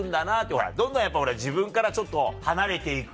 ほらどんどんやっぱ自分からちょっと離れて行く。